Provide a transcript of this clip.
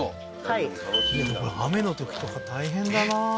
はい雨のときとか大変だな